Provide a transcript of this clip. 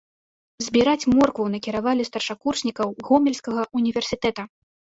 Збіраць моркву накіравалі старшакурснікаў гомельскага ўніверсітэта.